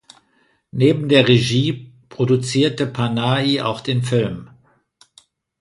Neben der Regie produzierte Panahi auch den Film.